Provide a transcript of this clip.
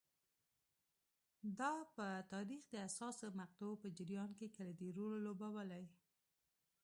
دا په تاریخ د حساسو مقطعو په جریان کې کلیدي رول لوبولی